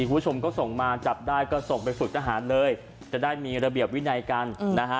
คุณผู้ชมก็ส่งมาจับได้ก็ส่งไปฝึกทหารเลยจะได้มีระเบียบวินัยกันนะฮะ